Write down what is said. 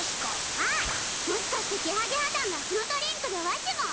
あっもしかしてゲハゲハ団がそのドリンクでわしもを！？